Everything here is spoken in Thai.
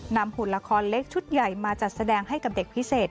หุ่นละครเล็กชุดใหญ่มาจัดแสดงให้กับเด็กพิเศษ